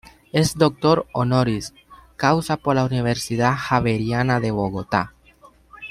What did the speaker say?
Es "doctor honoris" causa por la Universidad Javeriana de Bogotá.